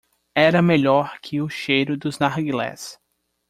Era melhor que o cheiro dos narguilés.